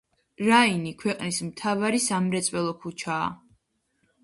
რაინი ქვეყნის „მთავარი სამრეწველო ქუჩაა“.